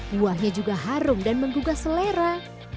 buahnya juga harum dan menggugah selera